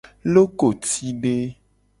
Lokotide.